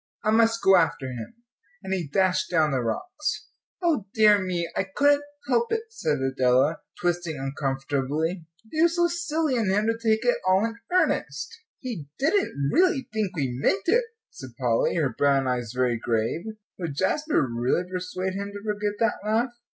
"I must go after him," and he dashed down the rocks. "O dear me, I couldn't help it," said Adela, twisting uncomfortably, "it was so silly in him to take it all in earnest." "He didn't really think we meant it," said Polly, her brown eyes very grave. Would Jasper really persuade him to forget that laugh?